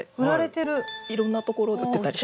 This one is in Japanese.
いろんなところで売ってたりします。